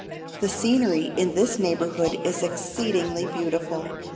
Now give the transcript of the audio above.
The scenery in this neighbourhood is exceedingly beautiful.